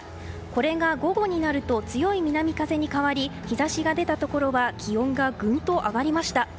これが午後になると強い南風に変わり日差しが出たところでは気温がぐんと上がりました。